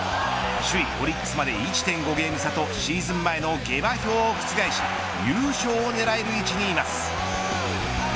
首位オリックスまで１．５ゲーム差とシーズン前の下馬評を覆し優勝を狙える位置にいます。